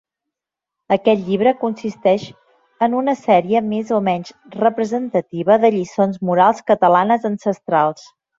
Aquest llibre consisteix en una sèrie, més o menys representativa, de lliçons morals catalanes ancestrals.